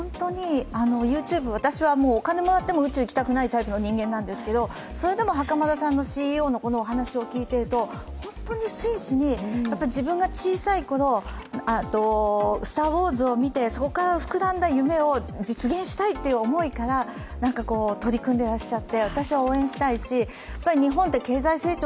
ＹｏｕＴｕｂｅ、私はお金もらっても宇宙に行きたくないタイプなんですけど、それでも袴田ＣＥＯの話を聞いていると、本当に真摯に、自分が小さいころ、「スター・ウォーズ」を見てそこから膨らんだ夢を実現したいという思いから取り組んでいらっしゃる。